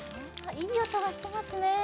いい音がしてますね